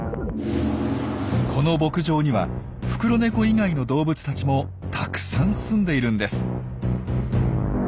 この牧場にはフクロネコ以外の動物たちもたくさん住んでいるんです。